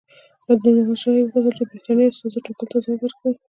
له نور محمد شاه یې وغوښتل چې د برټانیې استازو ټاکلو ته ځواب ورکړي.